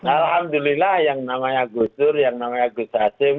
alhamdulillah yang namanya gusur yang namanya gusasim